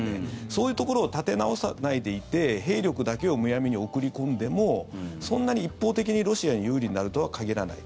そういうところを立て直さないでいて兵力だけをむやみに送り込んでもそんなに一方的にロシアに有利になるとは限らない。